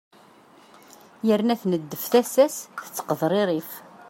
yerna tneddef tasa-s tettqeḍririf